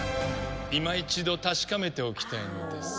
今一度確かめておきたいのです。